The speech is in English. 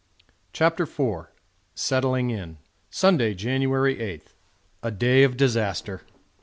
CHAPTER IV Settling In Sunday, January 8. A day of disaster.